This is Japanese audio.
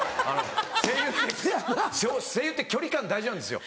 声優って距離感大事なんですよ。